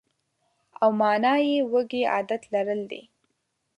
او مانا یې وږی عادت لرل دي.